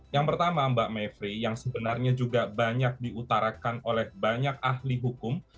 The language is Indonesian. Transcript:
yang pertama mbak mevri yang sebenarnya juga banyak diutarakan oleh banyak ahli hukum